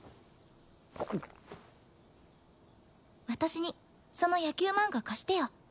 私にその野球漫画貸してよ。